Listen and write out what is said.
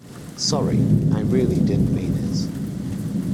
Sorry, I really didn't mean it.